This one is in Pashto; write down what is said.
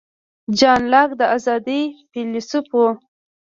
جان لاک د آزادۍ فیلیسوف و.